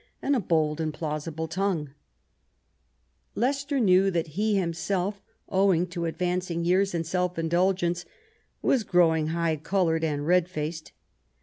and a bold and plausible tongue Leicester knew that he himself, owing to advanc ing years and self indulgence, was growing hign coloured and red faced